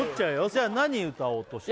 じゃあ何歌おうとしてるの？